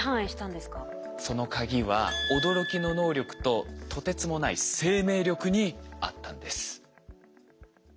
その鍵は驚きの能力ととてつもない生命力にあったんです。